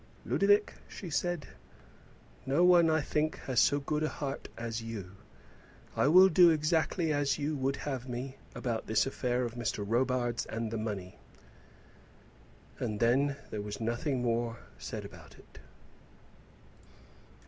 "Ludovic," she said, "no one, I think, has so good a heart as you. I will do exactly as you would have me about this affair of Mr. Robarts and the money." And then there was nothing more said about it.